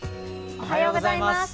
おはようございます。